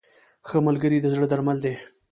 • ښه ملګری د زړه درمل دی.